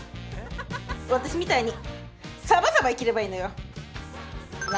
ワタシみたいにサバサバ生きればいいのよ。